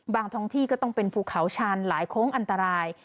ท้องที่ก็ต้องเป็นภูเขาชันหลายโค้งอันตราย